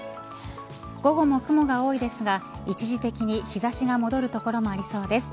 午後も雲が多いですが一時的に日差しが戻る所もありそうです。